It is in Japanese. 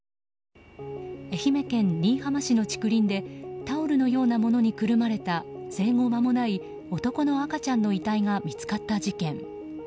愛媛県新居浜市の竹林でタオルのようなものにくるまれた生後まもない男の赤ちゃんの遺体が見つかった事件。